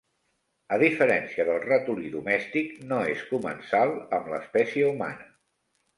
A diferència del ratolí domèstic, no és comensal amb l'espècie humana.